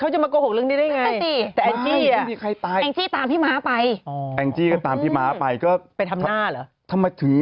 จะมาโกหกเรื่องนี้ได้ไงแต่แองจี้อ่ะแองจี้ตามพี่ม้าไปไปทำหน้าเหรอ